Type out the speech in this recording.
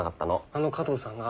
あの加藤さんが？